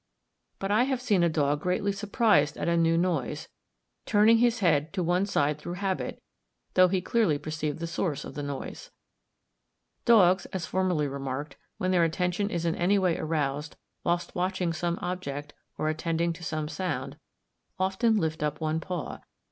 But I have seen a dog greatly surprised at a new noise, turning, his head to one side through habit, though he clearly perceived the source of the noise. Dogs, as formerly remarked, when their attention is in any way aroused, whilst watching some object, or attending to some sound, often lift up one paw (fig.